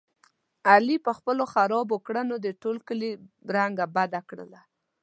علي په خپلو خرابو کړنو د ټول کلي رنګه بده کړله.